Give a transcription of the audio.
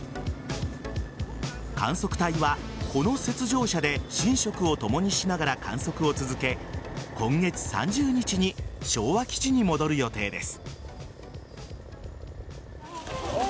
観測隊は、この雪上車で寝食を共にしながら観測を続け今月３０日に昭和基地に戻る予定です。